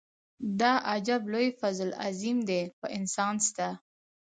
دا عجب لوی فضل عظيم دی په انسان ستا.